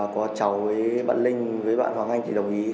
có cháu với bạn linh với bạn hoàng anh thì đồng ý